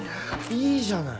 いいじゃない！